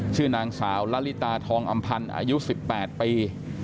ชื่อนางสาวละลิตาทองอำพันธ์อายุ๑๘ปี